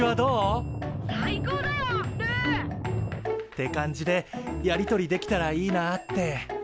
って感じでやり取りできたらいいなって。